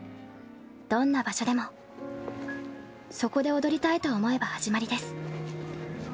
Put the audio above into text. どんな場所でもそこで踊りたいと思えば始まりです